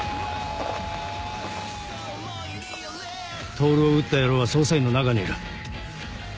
透を撃った野郎は捜査員の中にいる。